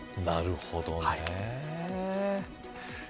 なるほどね。